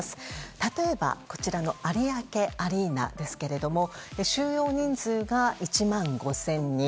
例えば、有明アリーナですが収容人数が１万５０００人。